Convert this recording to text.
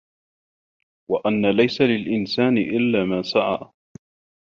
وَأَن لَيسَ لِلإِنسانِ إِلّا ما سَعى